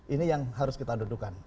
ini yang harus kita dudukan